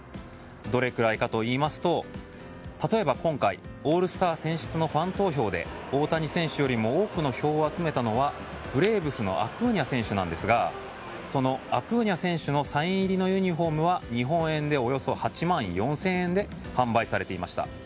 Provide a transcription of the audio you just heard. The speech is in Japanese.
どれくらいかといいますと例えば、今回オールスター選出のファン投票で大谷選手より多くの票を集めたのはブレーブスのアクーニャ選手なんですがそのアクーニャ選手のサイン入りのユニホームは日本円でおよそ８万４０００円で販売されていました。